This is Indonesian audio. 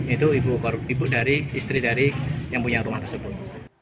itu ibu dari istri dari yang punya rumah tersebut